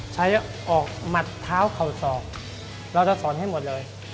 ใช้ออกหมัดเท้าเข่าศอกเราจะสอนให้หมดเลย